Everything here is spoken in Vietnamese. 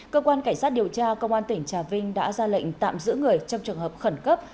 cơ quan cảnh sát điều tra công an tỉnh trà vinh đã ra lệnh tạm giữ người trong trường hợp khẩn cấp